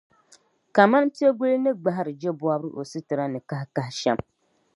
kaman piɛgula ni gbahiri jɛbɔbiri o situra ni kahikahi shɛm.